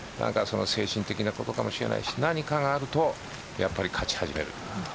精神的なことかもしれないし何かがあるとやっぱり勝ち始める。